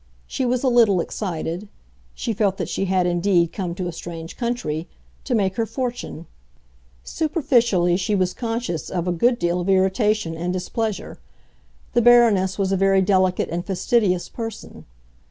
She was a little excited; she felt that she had indeed come to a strange country, to make her fortune. Superficially, she was conscious of a good deal of irritation and displeasure; the Baroness was a very delicate and fastidious person.